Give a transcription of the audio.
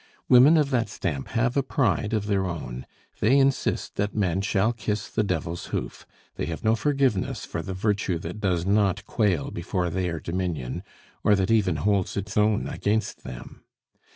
Women of that stamp have a pride of their own; they insist that men shall kiss the devil's hoof; they have no forgiveness for the virtue that does not quail before their dominion, or that even holds its own against them.